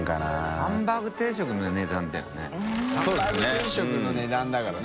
ハンバーグ定食の値段だからね。